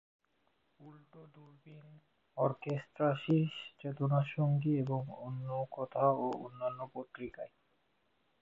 প্রকাশিত হয়েছে: উল্টো দূরবীন, অর্কেস্ট্রা শিস, চেতনা সঙ্গী, এবং অন্য কথা ও অন্যান্য পত্রিকায়।